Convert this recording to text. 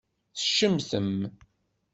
Tcemtem.